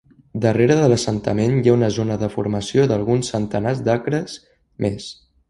Darrere de l'assentament hi ha una zona de formació d'alguns centenars d'acres més.